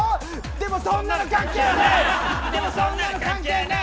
でもそんなの関係ねえ！